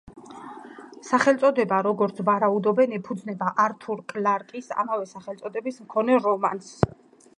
სახელწოდება, როგორც ვარაუდობენ, ეფუძნება ართურ კლარკის ამავე სახელწოდების მქონე რომანს.